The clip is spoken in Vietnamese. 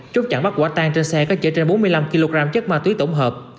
chốt chặn bắt quả tan trên xe có chở trên bốn mươi năm kg chất ma túy tổng hợp